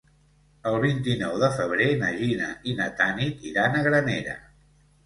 El vint-i-nou de febrer na Gina i na Tanit iran a Granera.